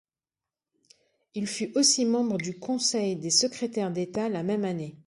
Il fut aussi membre du Conseil des Secrétaires d'État la même année.